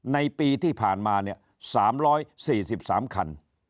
ในปีที่ผ่านมา๓๔๓คัน